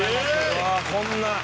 うわっこんな。